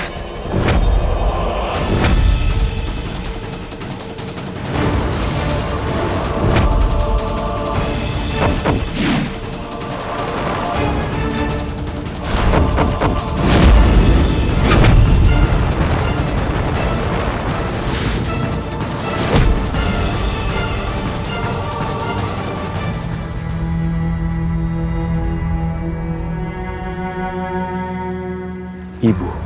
saya akan buat kepadamu